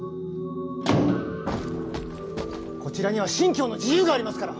こちらには信教の自由がありますから！